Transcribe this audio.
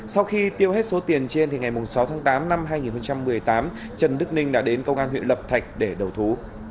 sau khi tiêu hết số tiền trên thì ngày sáu tháng tám năm hai nghìn một mươi tám trần đức ninh đã đến công an huyện lập thạch để đầu thú